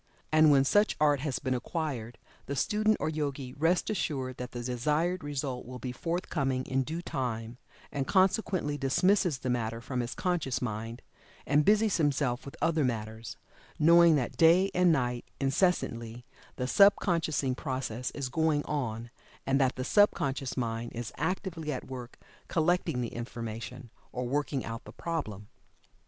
And when such art has been acquired, the student or Yogi rests assured that the desired result will be forthcoming in due time, and consequently dismisses the matter from his conscious mind, and busies himself with other matters, knowing that day and night, incessantly, the sub consciousing process is going on, and that the sub conscious mind is actively at work collecting the information, or working out the problem.